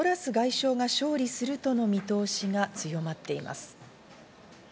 トラス外相が勝利するとの見通しが強まっています。